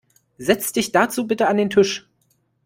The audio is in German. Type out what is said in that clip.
Setzt dich dazu bitte an den Tisch.